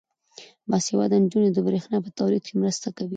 باسواده نجونې د برښنا په تولید کې مرسته کوي.